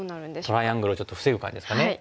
トライアングルをちょっと防ぐ感じですかね。